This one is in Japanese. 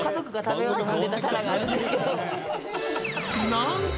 なんと！